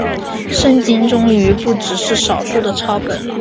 圣经终于不只是少数的抄本了。